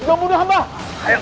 jangan lupa keberkasan